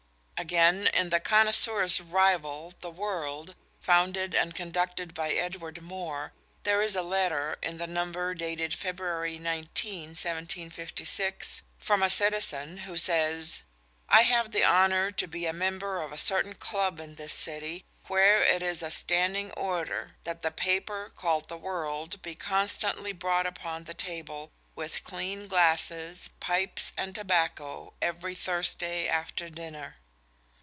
Again, in the Connoisseur's rival, the World, founded and conducted by Edward Moore, there is a letter, in the number dated February 19, 1756, from a citizen who says: "I have the honour to be a member of a certain club in this city, where it is a standing order, That the paper called the World be constantly brought upon the table, with clean glasses, pipes and tobacco, every Thursday after dinner."